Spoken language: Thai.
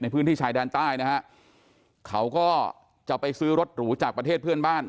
พื้นที่ชายแดนใต้นะฮะเขาก็จะไปซื้อรถหรูจากประเทศเพื่อนบ้าน